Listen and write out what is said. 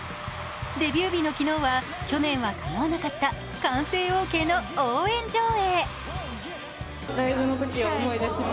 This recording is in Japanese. デビュー日の昨日は去年はかなわなかった歓声オーケーの応援上映。